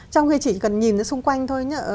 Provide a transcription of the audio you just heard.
trong khi chỉ cần nhìn ra xung quanh thôi